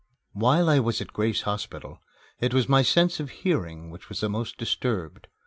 While I was at Grace Hospital, it was my sense of hearing which was the most disturbed.